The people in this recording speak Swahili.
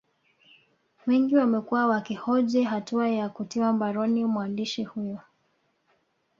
Wengi wamekuwa wakihoji hatua ya kutiwa mbaroni mwandishi huyo